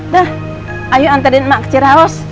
dah ayo antarin emak ke cire house